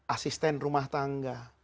asisten rumah tangga